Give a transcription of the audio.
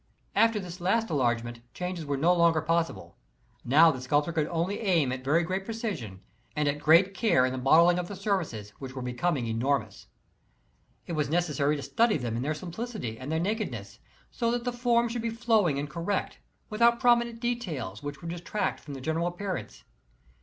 After this last enlargement ‚ñÝv^k^"^ — changes were no longer possible. Xow the sculptor could only aim at very great precision, and at great care in the modeling of the surfaces, which were 'becoming enonnous. It was necessary to study them in their simplicity and their nakedness, so that the form should be flowing and correct, without prominent details, which would detract from the general appearance.